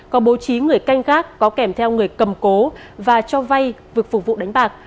có bố trí người canh gác có kèm theo người cầm cố và cho vay vực phục vụ đánh bạc